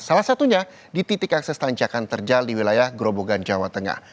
salah satunya di titik akses tanjakan terjal di wilayah gerobogan jawa tengah